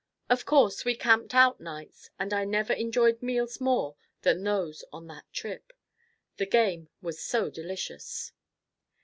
Of course, we camped out nights and I never enjoyed meals more than those on that trip. The game was so delicious.